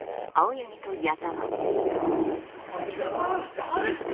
邪魔ですよ！